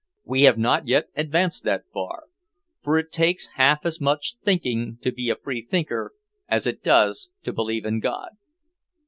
'We have not yet advanced that far. For it takes half as much thinking to be a free thinker as it does to believe in God.'"